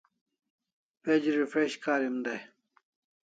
Page refresh karim dai